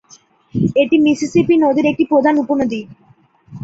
এটি মিসিসিপি নদীর একটি প্রধান উপনদী।